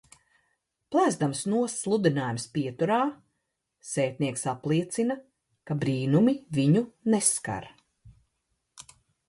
Pl?sdams nost sludin?jumus pietur?, s?tnieks apliecina, ka br?numi vi?u neskar.